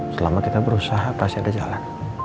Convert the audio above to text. selama kita berusaha pasti ada jalan